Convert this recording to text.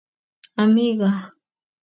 amii gaa